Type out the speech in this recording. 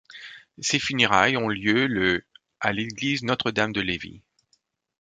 Ses funérailles ont eu lieu le à l'église Notre-Dame de Lévis.